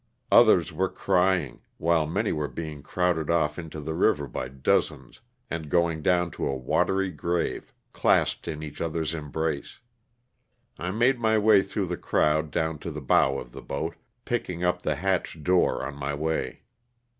Others were crying, while many were being crowded off into the river by dozens and going down to a watery grave clasped in each others embrace. I made my way through the crowd down to the bow of the boat, picking up the hatch door on my way.